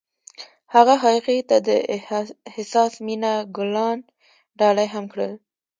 هغه هغې ته د حساس مینه ګلان ډالۍ هم کړل.